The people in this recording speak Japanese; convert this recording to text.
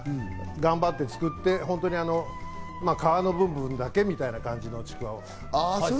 頑張って作って、皮の部分だけみたいな感じのちくわを。